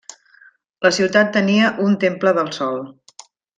La ciutat tenia un temple del sol.